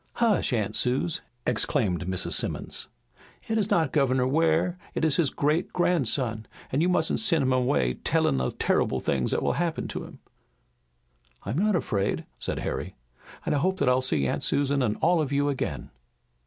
"Hush, Aunt Suse," exclaimed Mrs. Simmons. "It is not Governor Ware, it is his great grandson, and you mustn't send him away tellin' of terrible things that will happen to him." "I'm not afraid," said Harry, "and I hope that I'll see Aunt Susan and all of you again."